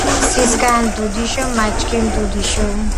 სი სქანი დუდიშო მა ჩქიმი დუდიშო